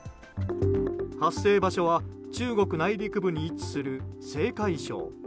発生場所は中国内陸部に位置する青海省。